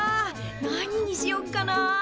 何にしよっかなあ？